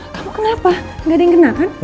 kamu kenapa gak ada yang kena kan